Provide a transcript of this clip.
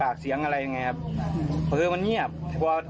แล้วเขาทะเลาะกันอย่างยังไงครับ